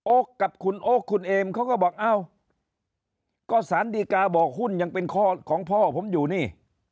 กับคุณโอ๊คคุณเอมเขาก็บอกเอ้าก็สารดีกาบอกหุ้นยังเป็นข้อของพ่อผมอยู่นี่